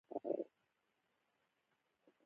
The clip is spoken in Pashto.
په افغانستان کې د مس منابع شته.